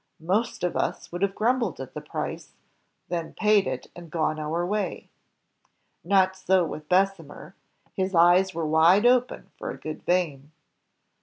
Most of us would have grumbled at the price, then paid it, and gone our way. Not so with Bessemer; his eyes were wide open for a "good vein."